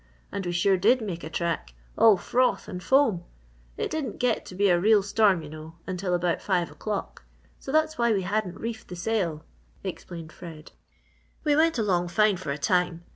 And we sure did make a track all froth and foam. It didn't get to be a real storm you know, until about five o'clock, so that's why we hadn't reefed the sail," explained Fred. "We went along fine for a time.